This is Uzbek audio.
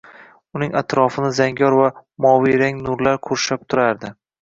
Uning atrofini zangor va moviy rang nurlar qurshab turardi.